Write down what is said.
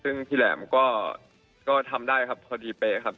ซึ่งพี่แหลมก็ทำได้ครับพอดีเป๊ะครับ